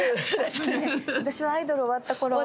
私はアイドル終わった頃で。